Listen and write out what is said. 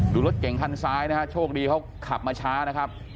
รถเก่งคันซ้ายนะฮะโชคดีเขาขับมาช้านะครับ